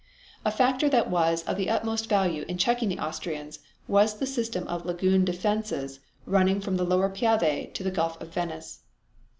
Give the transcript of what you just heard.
A factor that was of the utmost value in checking the Austrians was the system of lagoon defenses running from the lower Piave to the Gulf of Venice.